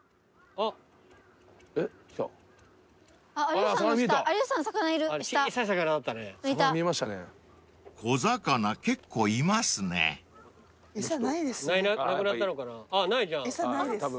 あっないじゃん。